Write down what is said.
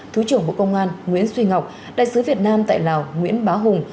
thủ trưởng bộ công an nguyễn suy ngọc đại sứ việt nam tại lào nguyễn bá hùng